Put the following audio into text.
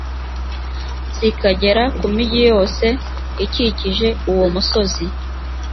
zikagera ku migi yose ikikije uwo musozi;